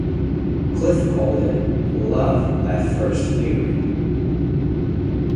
Cliff called it 'love at first hearing'.